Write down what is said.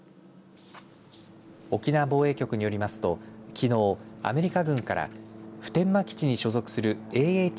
沖縄防衛局によりますときのうアメリカ軍から普天間基地に所属するＡＨ